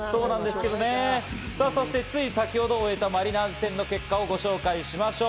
つい先程終えたマリナーズ戦の結果をご紹介しましょう。